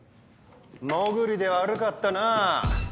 モグリで悪かったなぁ。